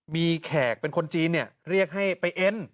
มีแขกเป็นคนจีนเรียกให้ไปเอ็น